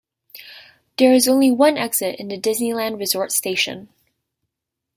There is only one exit in Disneyland Resort Station.